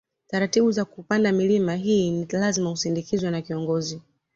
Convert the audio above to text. Taratibu za kuupanda milima hii ni lazima usindikizwe na kiongozi